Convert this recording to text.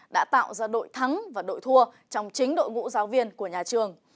đã tạo ra đội thắng và đội thua trong chính đội ngũ giáo viên của nhà trường